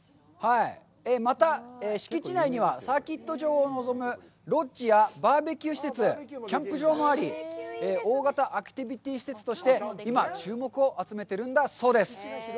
また、敷地内には、サーキット場を望むロッジやバーベキュー施設キャンプ場もあり、大型アクティビティ施設として今、注目を集めているんだそうです。